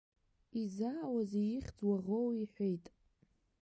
Изаауазеи, ихьӡ уаӷоу иҳәеит.